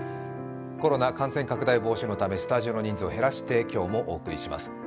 コロナ感染拡大防止のため、スタジオの人数を減らして今日もお送りします。